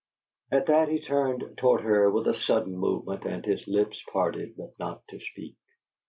At that he turned toward her with a sudden movement and his lips parted, but not to speak.